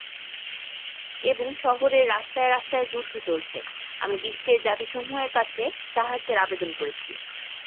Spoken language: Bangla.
ব্যবহারকারীদের অভিজ্ঞতা অনুযায়ী, এই খেলনার গতি একটি মনোরম সংবেদী অভিজ্ঞতা প্রদান করে থাকে।